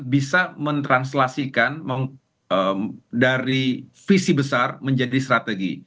bisa mentranslasikan dari visi besar menjadi strategi